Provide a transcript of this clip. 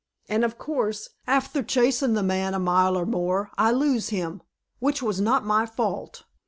And, of coorse, afther chasin the man a mile or more, I lose him, which was not my fault.